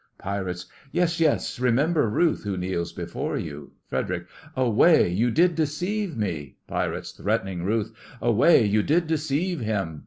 PIRATES: Yes, yes, remember Ruth, who kneels before you! FREDERIC: Away, you did deceive me! PIRATES: (Threatening RUTH) Away, you did deceive him!